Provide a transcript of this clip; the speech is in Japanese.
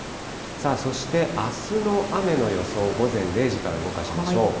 そして、あすの雨の予想、午前０時から動かしましょう。